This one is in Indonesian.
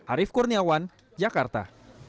arief kurniawan jakarta